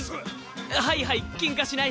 はいはいケンカしない。